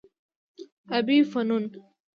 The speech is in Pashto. ابي فنون